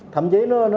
thậm chí nó